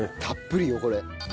たっぷりよこれ。